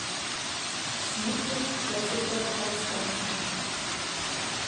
Südlich schloss sich der Kreuzgang an.